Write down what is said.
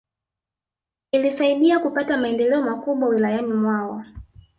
Ilisaidia kupata maendeleo makubwa Wilayani mwao